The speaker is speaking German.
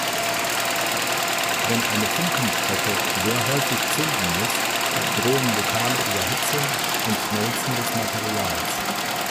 Wenn eine Funkenstrecke sehr häufig zünden muss, drohen lokale Überhitzung und Schmelzen des Materials.